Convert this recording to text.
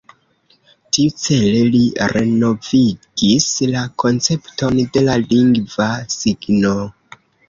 Tiucele li renovigis la koncepton de la lingva signo.